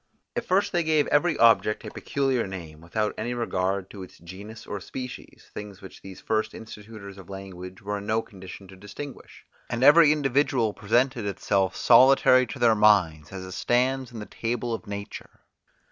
At first they gave every object a peculiar name, without any regard to its genus or species, things which these first institutors of language were in no condition to distinguish; and every individual presented itself solitary to their minds, as it stands in the table of nature.